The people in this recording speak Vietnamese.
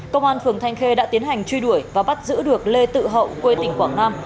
công an phường thanh khê đã tiến hành truy đuổi và bắt giữ được lê tự hậu quê tỉnh quảng nam